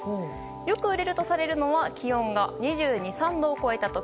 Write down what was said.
よく売れるとされるのは気温２２２３度を超えた時。